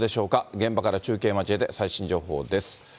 現場から中継交えて最新情報です。